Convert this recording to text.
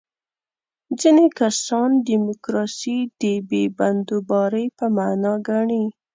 ځینې کسان دیموکراسي د بې بندوبارۍ په معنا ګڼي.